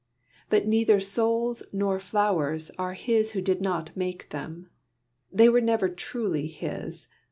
But neither souls nor flowers are his who did not make them. They were never truly his.